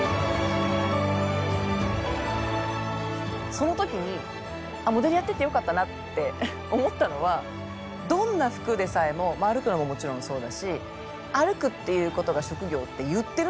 その時にあっモデルやっててよかったなって思ったのはどんな服でさえもまあ歩くのももちろんそうだし歩くっていうことが職業って言ってるのであれば自分が。